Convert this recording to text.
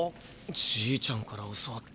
じいちゃんから教わった